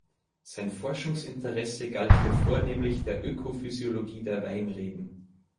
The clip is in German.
Sein Forschungsinteresse galt hier vornehmlich der Ökophysiologie der Weinreben.